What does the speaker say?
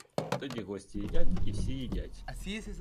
Тоді гості їдять і всі їдять.